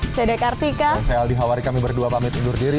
saya dekartika dan saya aldi hawari kami berdua pamit undur diri